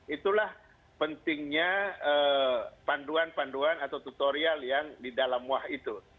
itulah pentingnya panduan panduan atau tutorial yang di dalam wah itu